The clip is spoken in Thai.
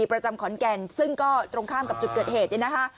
ประจำขอนแก่นซึ่งก็ตรงข้ามกับจุดเกิดเหตุเนี่ยนะคะ